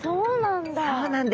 そうなんだ。